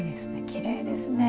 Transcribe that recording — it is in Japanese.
きれいですね。